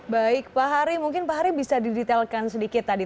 baik pak hari mungkin pak hari bisa didetailkan sedikit tadi